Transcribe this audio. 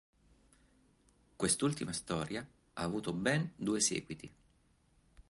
Quest'ultima storia ha avuto ben due seguiti.